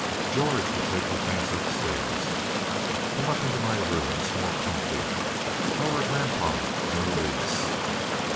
"George will take your things up stairs. Come up into my room. It's more comfy. How are grandpa and Louise?"